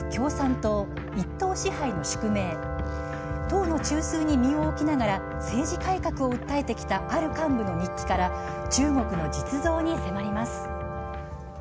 党の中枢に身を置きながら政治改革を訴えてきたある幹部の日記から中国の実像に迫ります。